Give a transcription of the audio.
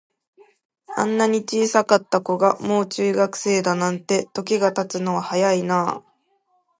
あんなに小さかった子が、もう中学生だなんて、時が経つのは早いなあ。